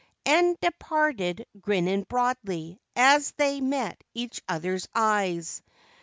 / And departed, grinning broadly as they met ,^ach other's eyes.